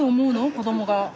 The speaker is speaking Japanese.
子どもが。